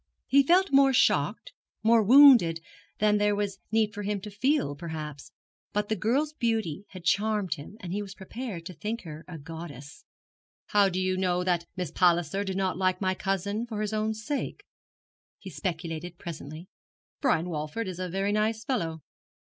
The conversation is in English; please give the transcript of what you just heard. He felt more shocked, more wounded than there was need for him to feel, perhaps; but the girl's beauty had charmed him, and he was prepared to think her a goddess. 'How do you know that Miss Palliser did not like my cousin for his own sake?' he speculated presently. 'Brian Walford is a very nice fellow.'